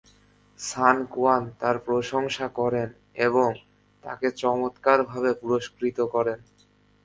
সান Quan তার প্রশংসা করেন এবং তাকে চমৎকারভাবে পুরস্কৃত করেন।